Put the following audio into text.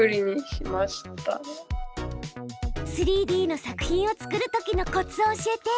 ３Ｄの作品を作る時のコツを教えて！